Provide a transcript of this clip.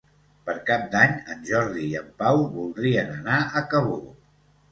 Per Cap d'Any en Jordi i en Pau voldrien anar a Cabó.